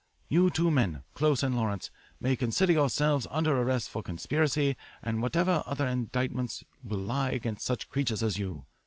"You two men, Close and Lawrence, may consider yourselves under arrest for conspiracy and whatever other indictments will lie against such creatures as you.